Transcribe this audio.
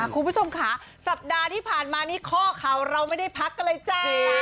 คุณผู้ชมค่ะสัปดาห์ที่ผ่านมานี่ข้อข่าวเราไม่ได้พักกันเลยจ้า